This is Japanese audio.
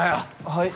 はい？